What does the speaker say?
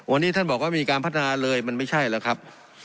วันนี้ท่านบอกว่าไม่มีการพัฒนาเลยมันไม่ใช่แล้วครับ